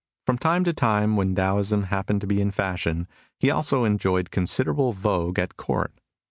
From time to time, when Taoism happened to be in fashion, he also enjoyed considerable vogue at Court.